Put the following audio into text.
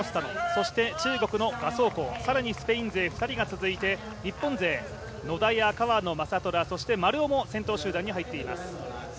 そして中国の賀相紅、更にスペイン勢２人が続いて日本勢、野田や川野将虎そして丸尾も先頭集団に入っています。